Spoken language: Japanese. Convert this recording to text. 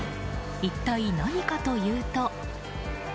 一体何かというと。